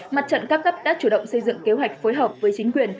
mặt trận các cấp đã chủ động xây dựng kế hoạch phối hợp với chính quyền